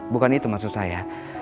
bukan itu maksud saya